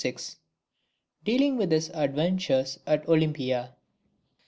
VI _Dealing with his Adventures at Olympia.